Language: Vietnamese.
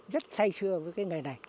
rất say sưa